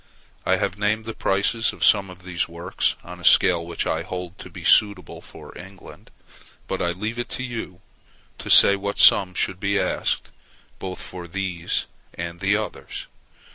I have named the prices of some of these works, on a scale which I hold to be suitable for England, but I leave it to you to say what sum should be asked both for these and the others.